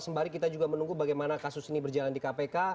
sembari kita juga menunggu bagaimana kasus ini berjalan di kpk